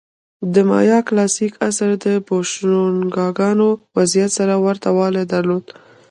د مایا کلاسیک عصر د بوشونګانو وضعیت سره ورته والی درلود.